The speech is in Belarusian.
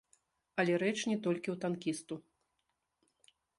Але рэч не толькі ў танкісту.